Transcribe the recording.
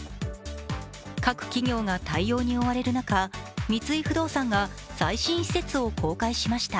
各企業が対応に追われる中三井不動産が最新施設を公開しました。